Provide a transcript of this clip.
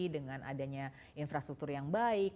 dengan adanya infrastruktur yang baik